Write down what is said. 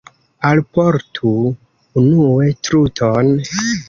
Alportu unue truton.